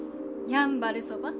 やんばるそば？